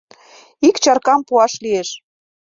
Ик чаркам пуаш лиеш.